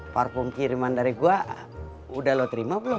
parfum kiriman dari gua udah lo terima belum